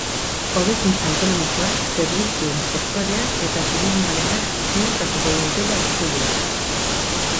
Hobekuntza ekonomikoa zerbitzuen sektoreak eta turismoarenak ziurtatuko dutela uste du.